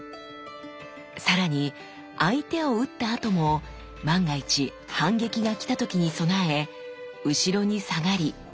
さらに相手を打ったあとも万が一反撃が来た時に備え後ろに下がり構えて注意を払うんです。